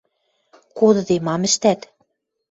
Кодыде мам ӹштӓт?